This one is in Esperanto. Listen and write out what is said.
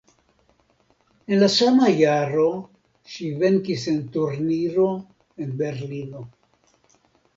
En la sama jaro ŝi venkis en turniro en Berlino.